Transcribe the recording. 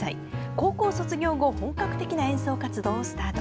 高校卒業後本格的な演奏活動をスタート。